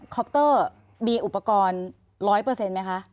คอปเตอร์มีอุปกรณ์ร้อยเปอร์เซ็นต์ไหมคะ